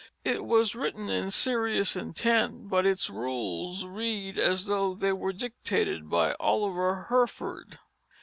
It was written in serious intent, but its rules read as though they were dictated by Oliver Herford.